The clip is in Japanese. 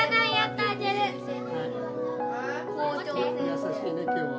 優しいね今日は。